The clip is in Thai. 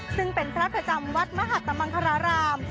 ซึ่งเป็นพระประจำวัดมหัตมังคาราราม